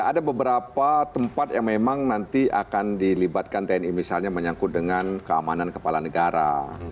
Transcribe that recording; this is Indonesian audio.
ada beberapa tempat yang memang nanti akan dilibatkan tni misalnya menyangkut dengan keamanan kepala negara